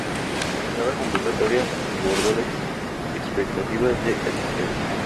Cada convocatoria desbordó las expectativas de asistencia.